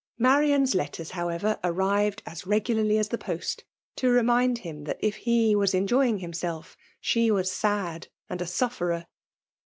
Marianas letters, however, arrived as regu larly as the post, to remind him that if he was ei^oying himsdf, she was sad and a sufferer.